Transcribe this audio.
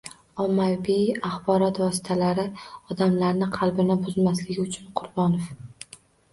Ommaviy axborot vositalari odamlarning qalbini buzmasligi uchun Qurbonov